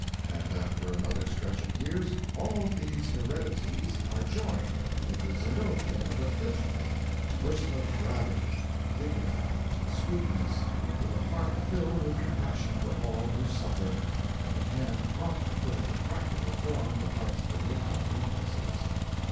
And after another stretch of years all these heredities are joined in the Zenobia of the fifth act a person of gravity, dignity, sweetness, with a heart filled with compassion for all who suffer, and a hand prompt to put into practical form the heart's benignant impulses.